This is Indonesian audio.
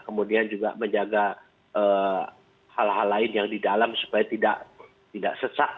kemudian juga menjaga hal hal lain yang di dalam supaya tidak sesak